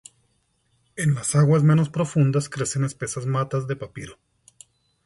En las aguas menos profundas crecen espesas matas de papiro.